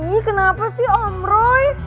nih kenapa sih om roy